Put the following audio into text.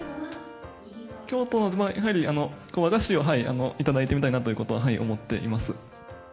京都は和菓子をやはり頂いてみたいなということは思っています。